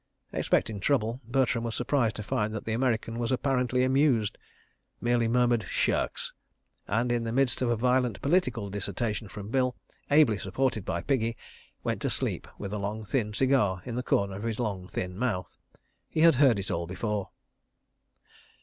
Expecting trouble, Bertram was surprised to find that the American was apparently amused, merely murmured "Shucks," and, in the midst of a violent political dissertation from Bill, ably supported by Piggy, went to sleep with a long thin cigar in the corner of his long thin mouth. He had heard it all before.